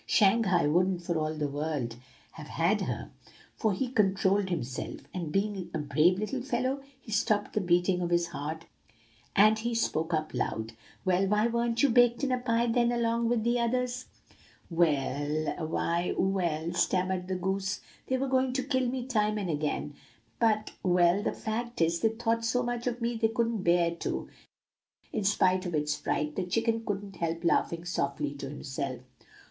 Shanghai wouldn't for all the world have had her; so he controlled himself, and, being a brave little fellow, he stopped the beating of his heart, and he spoke up loud: "'Well, why weren't you baked in a pie, then, along with the others?' "'What! why well ' stammered the goose, 'they were going to kill me time and again, but well, the fact is, they thought so much of me they couldn't bear to.' In spite of its fright, the chicken couldn't help laughing softly to itself.